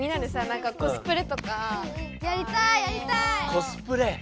コスプレ。